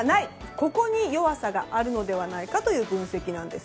ここに弱さがあるのではないかという分析なんです。